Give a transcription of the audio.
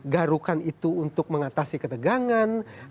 garukan itu untuk mengatasi ketegangan